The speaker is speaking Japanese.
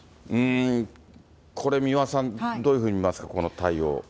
これ三輪さん、どういうふうに見ますか、この対応。